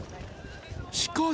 しかし